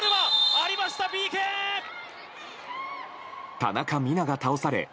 田中美南、倒された。